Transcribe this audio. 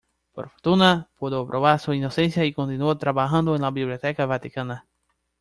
Por fortuna, pudo probar su inocencia y continuó trabajando en la Biblioteca Vaticana.